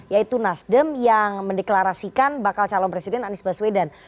yaitu nasdem yang mendeklarasikan bakal calon presiden anies baswedan